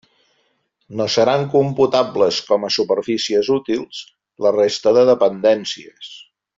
No seran computables com a superfícies útils la resta de dependències.